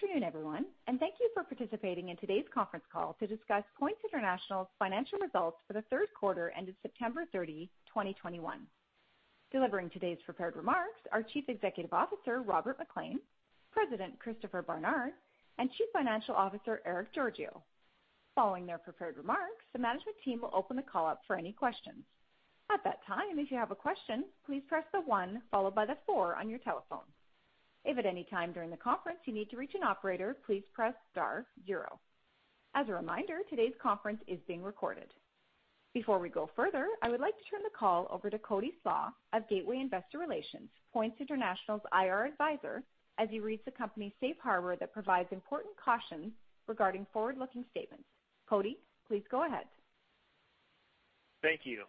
Good afternoon, everyone, and thank you for participating in today's conference call to discuss Points International's financial results for the third quarter ended September 30, 2021. Delivering today's prepared remarks are Chief Executive Officer Robert MacLean, President Christopher Barnard, and Chief Financial Officer Erick Georgiou. Following their prepared remarks, the management team will open the call up for any questions. At that time, if you have a question, please press 1 followed by 4 on your telephone. If at any time during the conference you need to reach an operator, please press star 0. As a reminder, today's conference is being recorded. Before we go further, I would like to turn the call over to Cody Slach of Gateway Investor Relations, Points International's IR advisor, as he reads the company's safe harbor that provides important caution regarding forward-looking statements. Cody, please go ahead. Thank you.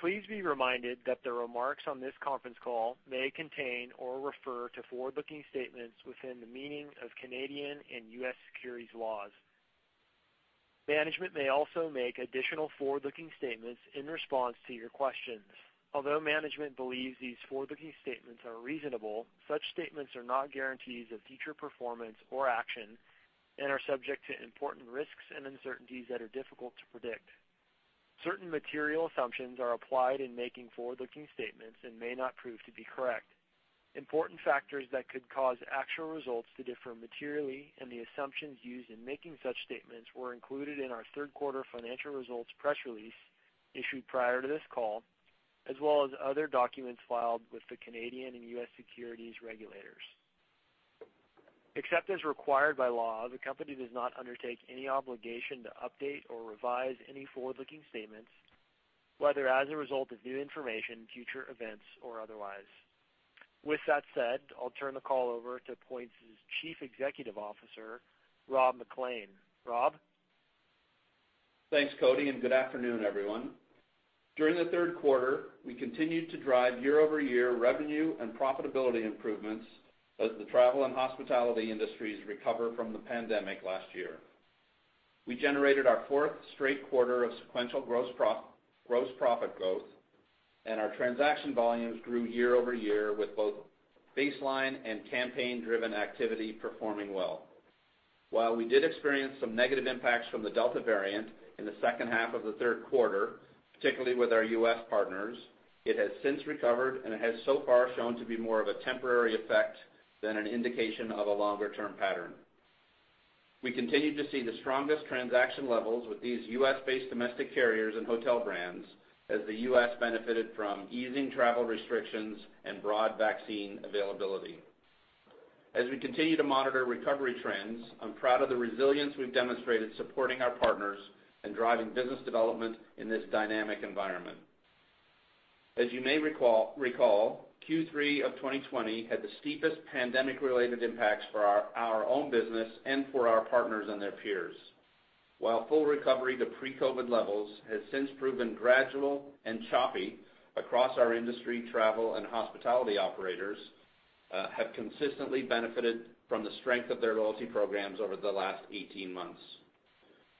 Please be reminded that the remarks on this conference call may contain or refer to forward-looking statements within the meaning of Canadian and U.S. securities laws. Management may also make additional forward-looking statements in response to your questions. Although management believes these forward-looking statements are reasonable, such statements are not guarantees of future performance or action and are subject to important risks and uncertainties that are difficult to predict. Certain material assumptions are applied in making forward-looking statements and may not prove to be correct. Important factors that could cause actual results to differ materially and the assumptions used in making such statements were included in our third quarter financial results press release issued prior to this call, as well as other documents filed with the Canadian and U.S. securities regulators. Except as required by law, the company does not undertake any obligation to update or revise any forward-looking statements, whether as a result of new information, future events, or otherwise. With that said, I'll turn the call over to Points' Chief Executive Officer, Rob MacLean. Rob? Thanks, Cody, and good afternoon, everyone. During the third quarter, we continued to drive year-over-year revenue and profitability improvements as the travel and hospitality industries recover from the pandemic last year. We generated our fourth straight quarter of sequential gross profit growth, and our transaction volumes grew year-over-year with both baseline and campaign-driven activity performing well. While we did experience some negative impacts from the Delta variant in the second half of the third quarter, particularly with our U.S. partners, it has since recovered and it has so far shown to be more of a temporary effect than an indication of a longer-term pattern. We continued to see the strongest transaction levels with these U.S.-based domestic carriers and hotel brands as the U.S. benefited from easing travel restrictions and broad vaccine availability. As we continue to monitor recovery trends, I'm proud of the resilience we've demonstrated supporting our partners and driving business development in this dynamic environment. As you may recall, Q3 of 2020 had the steepest pandemic-related impacts for our own business and for our partners and their peers. While full recovery to pre-COVID levels has since proven gradual and choppy across our industry, travel and hospitality operators have consistently benefited from the strength of their loyalty programs over the last 18 months.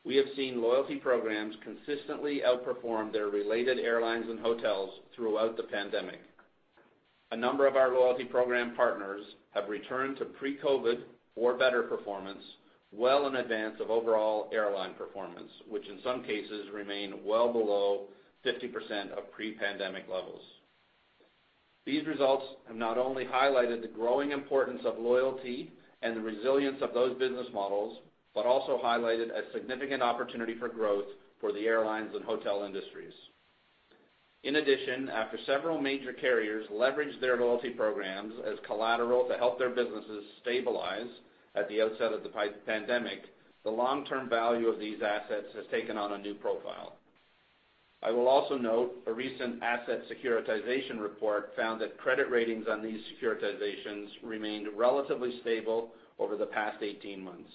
We have seen loyalty programs consistently outperform their related airlines and hotels throughout the pandemic. A number of our loyalty program partners have returned to pre-COVID or better performance well in advance of overall airline performance, which in some cases remain well below 50% of pre-pandemic levels. These results have not only highlighted the growing importance of loyalty and the resilience of those business models, but also highlighted a significant opportunity for growth for the airlines and hotel industries. In addition, after several major carriers leveraged their loyalty programs as collateral to help their businesses stabilize at the outset of the pandemic, the long-term value of these assets has taken on a new profile. I will also note a recent asset securitization report found that credit ratings on these securitizations remained relatively stable over the past 18 months.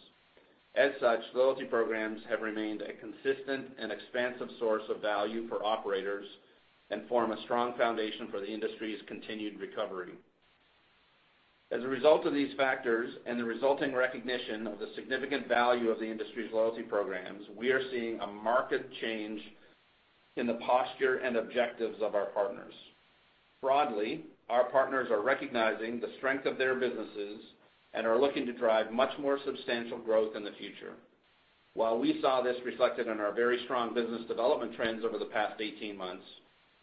As such, loyalty programs have remained a consistent and expansive source of value for operators and form a strong foundation for the industry's continued recovery. As a result of these factors and the resulting recognition of the significant value of the industry's loyalty programs, we are seeing a market change in the posture and objectives of our partners. Broadly, our partners are recognizing the strength of their businesses and are looking to drive much more substantial growth in the future. While we saw this reflected in our very strong business development trends over the past 18 months,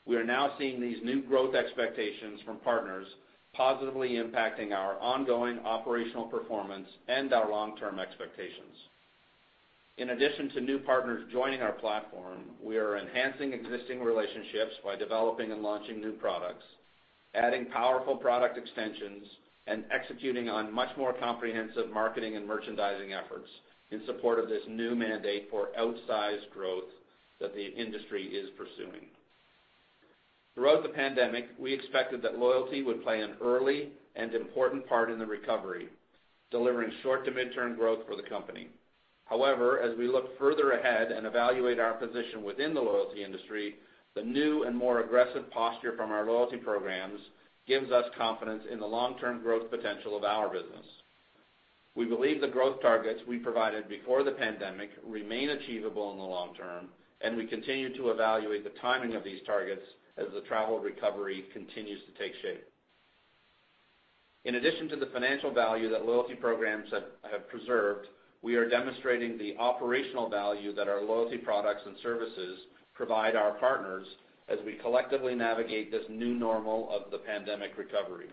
we are now seeing these new growth expectations from partners positively impacting our ongoing operational performance and our long-term expectations. In addition to new partners joining our platform, we are enhancing existing relationships by developing and launching new products, adding powerful product extensions, and executing on much more comprehensive marketing and merchandising efforts in support of this new mandate for outsized growth that the industry is pursuing. Throughout the pandemic, we expected that loyalty would play an early and important part in the recovery, delivering short to mid-term growth for the company. However, as we look further ahead and evaluate our position within the loyalty industry, the new and more aggressive posture from our loyalty programs gives us confidence in the long-term growth potential of our business. We believe the growth targets we provided before the pandemic remain achievable in the long term, and we continue to evaluate the timing of these targets as the travel recovery continues to take shape. In addition to the financial value that loyalty programs have preserved, we are demonstrating the operational value that our loyalty products and services provide our partners as we collectively navigate this new normal of the pandemic recovery.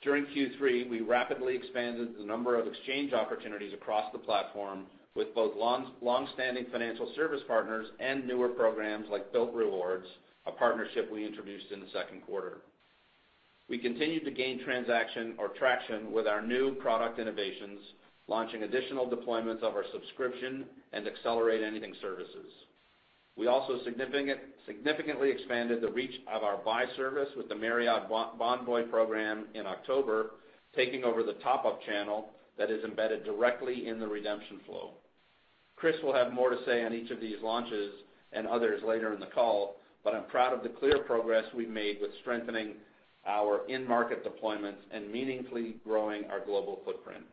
During Q3, we rapidly expanded the number of exchange opportunities across the platform with both long-standing financial service partners and newer programs like Bilt Rewards, a partnership we introduced in the second quarter. We continued to gain traction with our new product innovations, launching additional deployments of our subscription and Accelerate Anything services. We also significantly expanded the reach of our buy service with the Marriott Bonvoy program in October, taking over the top of channel that is embedded directly in the redemption flow. Chris will have more to say on each of these launches and others later in the call, but I'm proud of the clear progress we've made with strengthening our in-market deployments and meaningfully growing our global footprint.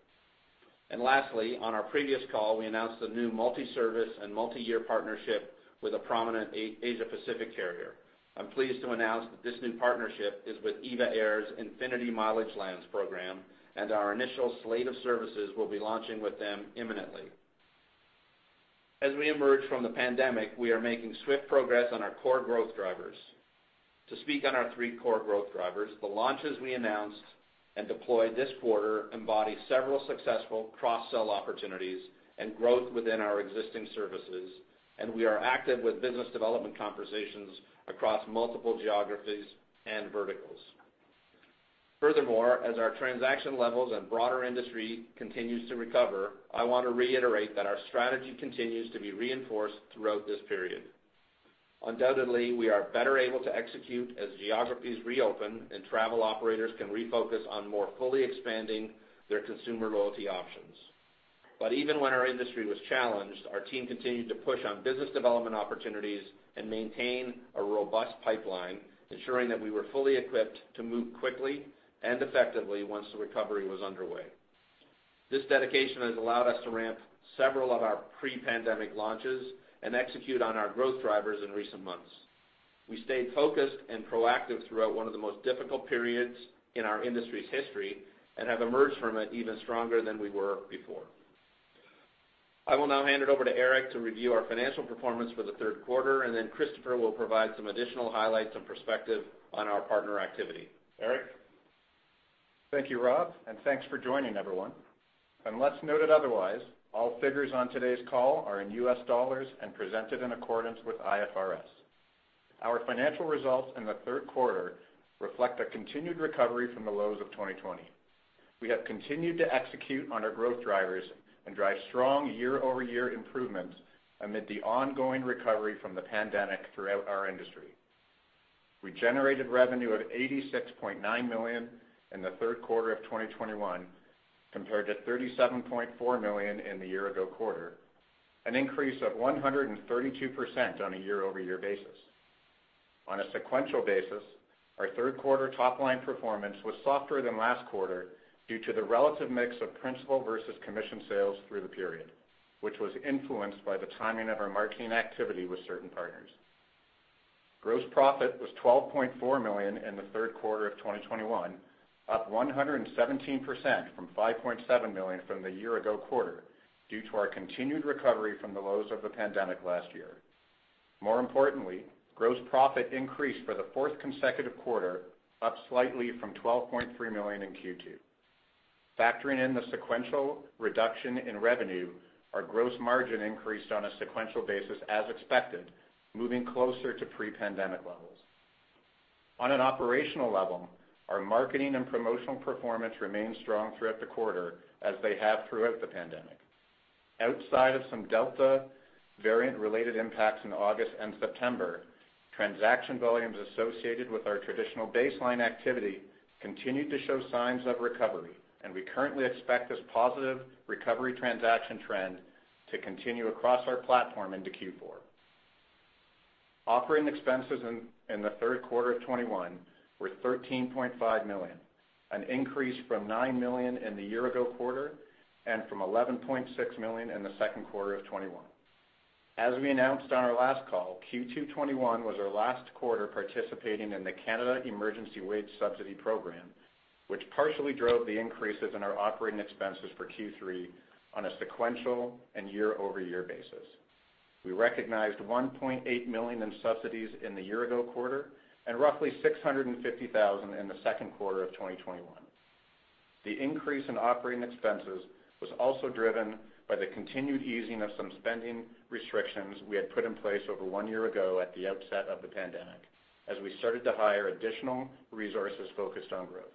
Lastly, on our previous call, we announced a new multi-service and multi-year partnership with a prominent Asia Pacific carrier. I'm pleased to announce that this new partnership is with EVA Air's Infinity MileageLands program, and our initial slate of services will be launching with them imminently. As we emerge from the pandemic, we are making swift progress on our core growth drivers. To speak on our three core growth drivers, the launches we announced and deployed this quarter embody several successful cross-sell opportunities and growth within our existing services, and we are active with business development conversations across multiple geographies and verticals. Furthermore, as our transaction levels and broader industry continues to recover, I want to reiterate that our strategy continues to be reinforced throughout this period. Undoubtedly, we are better able to execute as geographies reopen and travel operators can refocus on more fully expanding their consumer loyalty options. Even when our industry was challenged, our team continued to push on business development opportunities and maintain a robust pipeline, ensuring that we were fully equipped to move quickly and effectively once the recovery was underway. This dedication has allowed us to ramp several of our pre-pandemic launches and execute on our growth drivers in recent months. We stayed focused and proactive throughout one of the most difficult periods in our industry's history and have emerged from it even stronger than we were before. I will now hand it over to Erick to review our financial performance for the third quarter, and then Christopher will provide some additional highlights and perspective on our partner activity. Erick? Thank you, Rob, and thanks for joining everyone. Unless noted otherwise, all figures on today's call are in US dollars and presented in accordance with IFRS. Our financial results in the third quarter reflect a continued recovery from the lows of 2020. We have continued to execute on our growth drivers and drive strong year-over-year improvements amid the ongoing recovery from the pandemic throughout our industry. We generated revenue of $86.9 million in the third quarter of 2021 compared to $37.4 million in the year ago quarter, an increase of 132% on a year-over-year basis. On a sequential basis, our third quarter top line performance was softer than last quarter due to the relative mix of principal versus commission sales through the period, which was influenced by the timing of our marketing activity with certain partners. Gross profit was $12.4 million in the third quarter of 2021, up 117% from $5.7 million from the year ago quarter due to our continued recovery from the lows of the pandemic last year. More importantly, gross profit increased for the fourth consecutive quarter, up slightly from $12.3 million in Q2. Factoring in the sequential reduction in revenue, our gross margin increased on a sequential basis as expected, moving closer to pre-pandemic levels. On an operational level, our marketing and promotional performance remained strong throughout the quarter, as they have throughout the pandemic. Outside of some Delta variant related impacts in August and September, transaction volumes associated with our traditional baseline activity continued to show signs of recovery, and we currently expect this positive recovery transaction trend to continue across our platform into Q4. Operating expenses in the third quarter of 2021 were $13.5 million, an increase from $9 million in the year-ago quarter and from $11.6 million in the second quarter of 2021. As we announced on our last call, Q2 2021 was our last quarter participating in the Canada Emergency Wage Subsidy Program, which partially drove the increases in our operating expenses for Q3 on a sequential and year-over-year basis. We recognized $1.8 million in subsidies in the year-ago quarter and roughly $650,000 in the second quarter of 2021. The increase in operating expenses was also driven by the continued easing of some spending restrictions we had put in place over one year ago at the outset of the pandemic, as we started to hire additional resources focused on growth.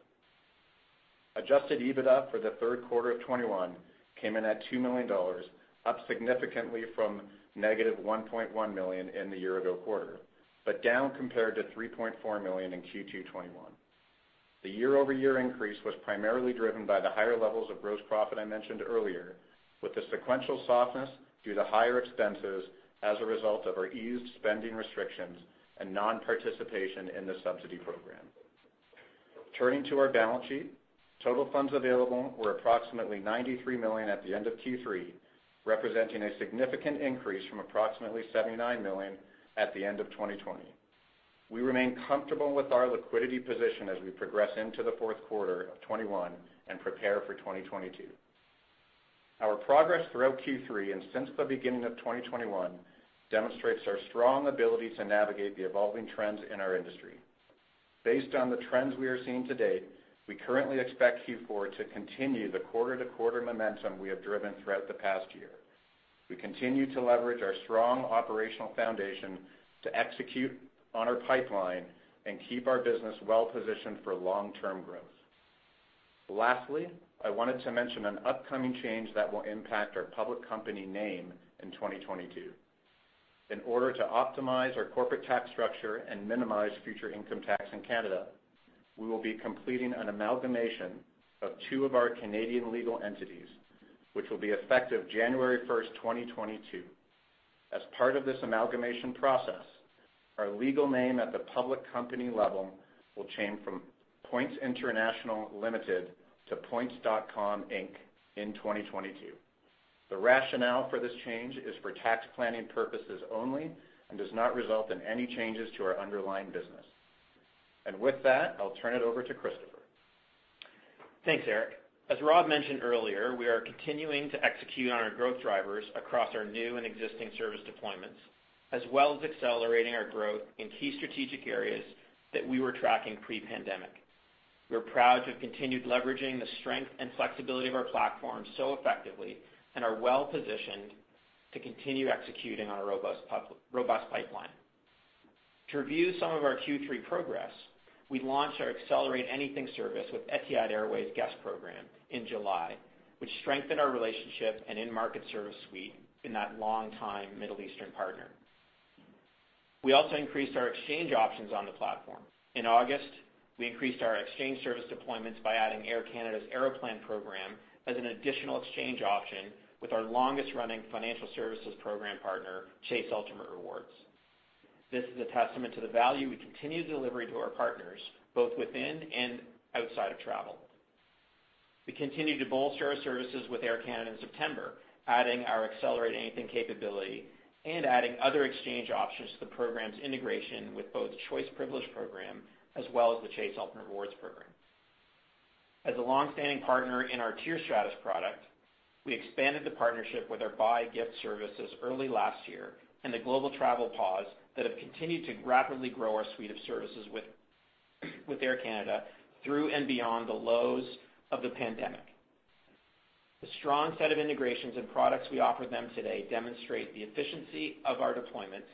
Adjusted EBITDA for the third quarter of 2021 came in at $2 million, up significantly from negative $1.1 million in the year-ago quarter, but down compared to $3.4 million in Q2 2021. The year-over-year increase was primarily driven by the higher levels of gross profit I mentioned earlier, with the sequential softness due to higher expenses as a result of our eased spending restrictions and non-participation in the subsidy program. Turning to our balance sheet, total funds available were approximately $93 million at the end of Q3, representing a significant increase from approximately $79 million at the end of 2020. We remain comfortable with our liquidity position as we progress into the fourth quarter of 2021 and prepare for 2022. Our progress throughout Q3 and since the beginning of 2021 demonstrates our strong ability to navigate the evolving trends in our industry. Based on the trends we are seeing to date, we currently expect Q4 to continue the quarter-to-quarter momentum we have driven throughout the past year. We continue to leverage our strong operational foundation to execute on our pipeline and keep our business well positioned for long-term growth. Lastly, I wanted to mention an upcoming change that will impact our public company name in 2022. In order to optimize our corporate tax structure and minimize future income tax in Canada, we will be completing an amalgamation of two of our Canadian legal entities, which will be effective January first, 2022. As part of this amalgamation process, our legal name at the public company level will change from Points International Ltd. to Points.com Inc. in 2022. The rationale for this change is for tax planning purposes only and does not result in any changes to our underlying business. With that, I'll turn it over to Christopher. Thanks, Erick. As Rob mentioned earlier, we are continuing to execute on our growth drivers across our new and existing service deployments, as well as accelerating our growth in key strategic areas that we were tracking pre-pandemic. We are proud to have continued leveraging the strength and flexibility of our platform so effectively and are well-positioned to continue executing on a robust pipeline. To review some of our Q3 progress, we launched our Accelerate Anything service with Etihad Guest program in July, which strengthened our relationship and in-market service suite with that longtime Middle Eastern partner. We also increased our exchange options on the platform. In August, we increased our exchange service deployments by adding Air Canada's Aeroplan program as an additional exchange option with our longest-running financial services program partner, Chase Ultimate Rewards. This is a testament to the value we continue delivering to our partners, both within and outside of travel. We continued to bolster our services with Air Canada in September, adding our Accelerate Anything capability and adding other exchange options to the program's integration with both Choice Privileges program as well as the Chase Ultimate Rewards program. As a long-standing partner in our Tier Status product, we expanded the partnership with our buy & gift services early last year in the global travel pause that have continued to rapidly grow our suite of services with Air Canada through and beyond the lows of the pandemic. The strong set of integrations and products we offer them today demonstrate the efficiency of our deployments,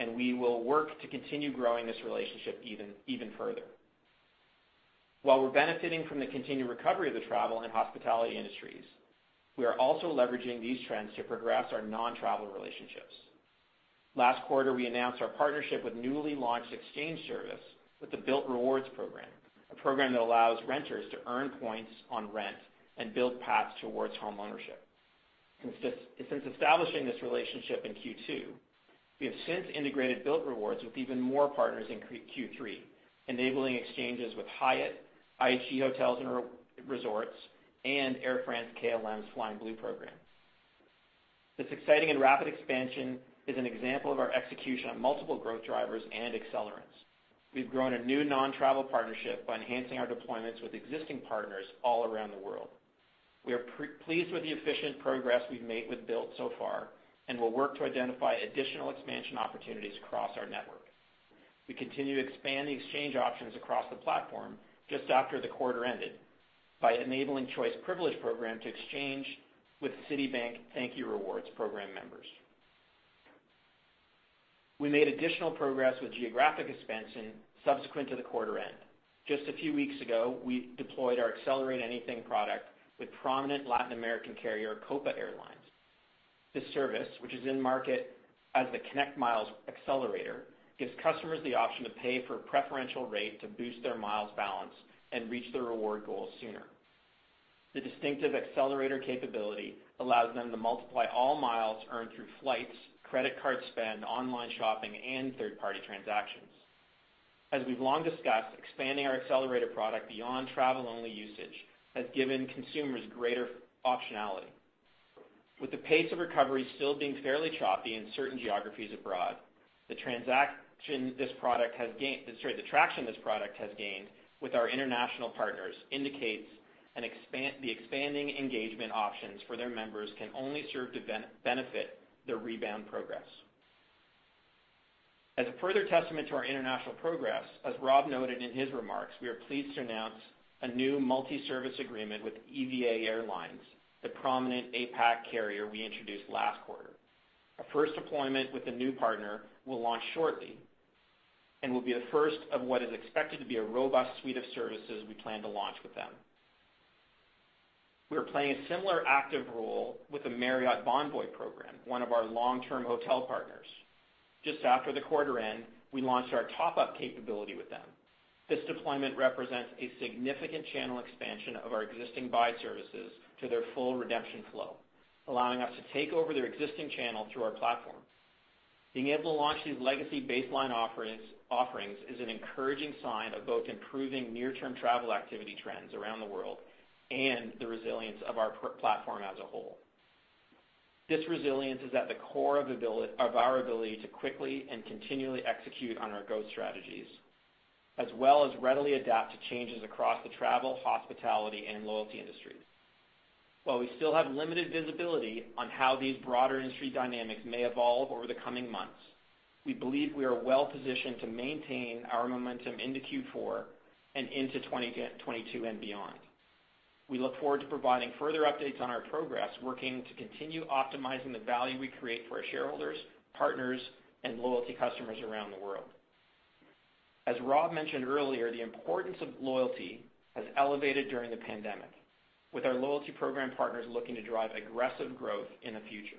and we will work to continue growing this relationship even further. While we're benefiting from the continued recovery of the travel and hospitality industries, we are also leveraging these trends to progress our non-travel relationships. Last quarter, we announced our partnership with newly launched exchange service with the Bilt Rewards program, a program that allows renters to earn points on rent and build paths towards homeownership. Since establishing this relationship in Q2, we have since integrated Bilt Rewards with even more partners in Q3, enabling exchanges with Hyatt, IHG Hotels & Resorts, and Air France-KLM's Flying Blue program. This exciting and rapid expansion is an example of our execution on multiple growth drivers and accelerants. We've grown a new non-travel partnership by enhancing our deployments with existing partners all around the world. We are pleased with the efficient progress we've made with Bilt so far and will work to identify additional expansion opportunities across our network. We continue to expand the exchange options across the platform just after the quarter ended by enabling Choice Privileges program to exchange with Citi ThankYou Rewards program members. We made additional progress with geographic expansion subsequent to the quarter end. Just a few weeks ago, we deployed our Accelerate Anything product with prominent Latin American carrier, Copa Airlines. This service, which is in market as the ConnectMiles Accelerator, gives customers the option to pay for a preferential rate to boost their miles balance and reach their reward goals sooner. The distinctive accelerator capability allows them to multiply all miles earned through flights, credit card spend, online shopping, and third-party transactions. As we've long discussed, expanding our accelerator product beyond travel-only usage has given consumers greater optionality. With the pace of recovery still being fairly choppy in certain geographies abroad, sorry, the traction this product has gained with our international partners indicates the expanding engagement options for their members can only serve to benefit their rebound progress. As a further testament to our international progress, as Rob noted in his remarks, we are pleased to announce a new multi-service agreement with EVA Air, the prominent APAC carrier we introduced last quarter. Our first deployment with the new partner will launch shortly and will be the first of what is expected to be a robust suite of services we plan to launch with them. We are playing a similar active role with the Marriott Bonvoy program, one of our long-term hotel partners. Just after the quarter end, we launched our top-up capability with them. This deployment represents a significant channel expansion of our existing buy services to their full redemption flow, allowing us to take over their existing channel through our platform. Being able to launch these legacy baseline offerings is an encouraging sign of both improving near-term travel activity trends around the world and the resilience of our platform as a whole. This resilience is at the core of our ability to quickly and continually execute on our growth strategies, as well as readily adapt to changes across the travel, hospitality, and loyalty industries. While we still have limited visibility on how these broader industry dynamics may evolve over the coming months, we believe we are well-positioned to maintain our momentum into Q4 and into 2022 and beyond. We look forward to providing further updates on our progress, working to continue optimizing the value we create for our shareholders, partners, and loyalty customers around the world. As Rob mentioned earlier, the importance of loyalty has elevated during the pandemic, with our loyalty program partners looking to drive aggressive growth in the future.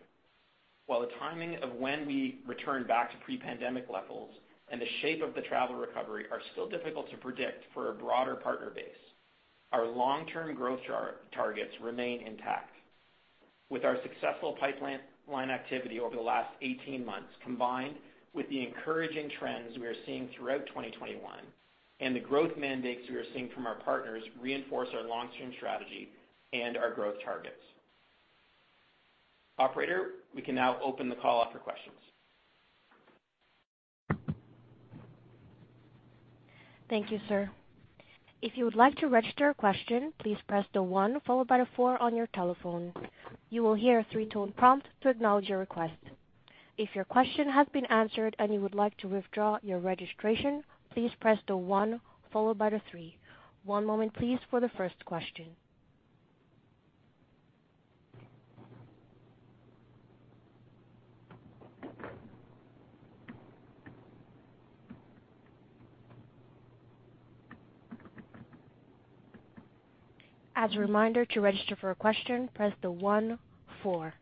While the timing of when we return back to pre-pandemic levels and the shape of the travel recovery are still difficult to predict for our broader partner base, our long-term growth targets remain intact. With our successful pipeline activity over the last 18 months, combined with the encouraging trends we are seeing throughout 2021 and the growth mandates we are seeing from our partners reinforce our long-term strategy and our growth targets. Operator, we can now open the call up for questions. Thank you, sir. If you would like to register a question, please press the one followed by the four on your telephone. You will hear a three-tone prompt to acknowledge your request. If your question has been answered and you would like to withdraw your registration, please press the one followed by the three. One moment please for the first question. As a reminder, to register for a question, press the one four.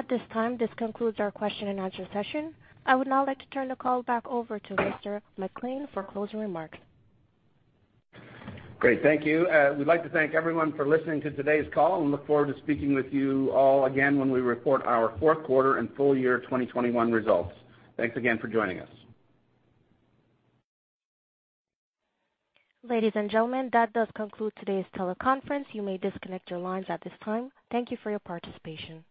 At this time, this concludes our question-and-answer session. I would now like to turn the call back over to Mr. MacLean for closing remarks. Great. Thank you. We'd like to thank everyone for listening to today's call and look forward to speaking with you all again when we report our fourth quarter and full year 2021 results. Thanks again for joining us. Ladies and gentlemen, that does conclude today's teleconference. You may disconnect your lines at this time. Thank you for your participation.